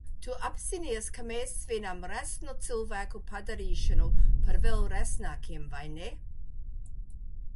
Tu apzinies, ka mēs svinam resnu cilvēku padarīšanu par vēl resnākiem, vai ne?